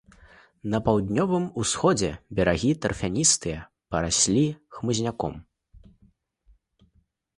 На паўднёвым усходзе берагі тарфяністыя, параслі хмызняком.